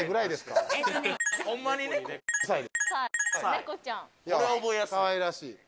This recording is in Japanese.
かわいらしい